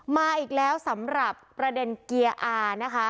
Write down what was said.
มาอีกแล้วสำหรับประเด็นเกียร์อานะคะ